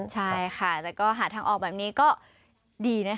ใช่ค่ะแต่ก็หาทางออกแบบนี้ก็ดีนะคะ